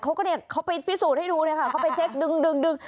เขาก็เนี่ยเขาไปพิสูจน์ให้ดูเลยค่ะเขาไปเช็คดึงดึง